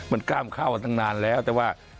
มันกล้ามเข้าตั้งนานแล้วแต่ว่า